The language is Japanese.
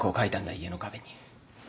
家の壁に。